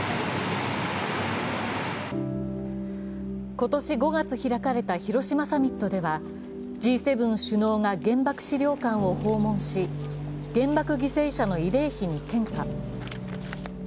今年５月開かれた広島サミットでは、Ｇ７首脳が原爆資料館を訪問し、原爆犠牲者の慰霊碑に献花。